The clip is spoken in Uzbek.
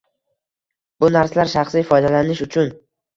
Bu narsalar shaxsiy foydalanish uchun.